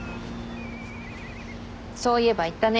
そういえば言ったね